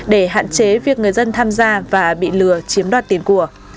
để hạn chế việc người dân tham gia và bị lừa chiếm đoạt tiền của